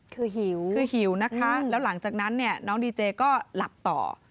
คือหิวคือหิวนะคะแล้วหลังจากนั้นเนี่ยน้องดีเจก็หลับต่อ